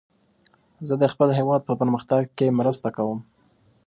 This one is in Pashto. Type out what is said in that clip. زه د خپل هیواد په پرمختګ کې مرسته کوم.